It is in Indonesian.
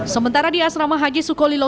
sementara di asrama haji sukolilo